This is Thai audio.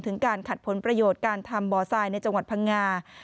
การขัดผลประโยชน์การทำบ่อทรายในจังหวัดพังงา